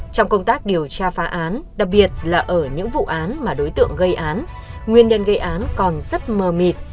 trong công tác điều tra phá án đặc biệt là ở những vụ án mà đối tượng gây án nguyên nhân gây án còn rất mờ mịt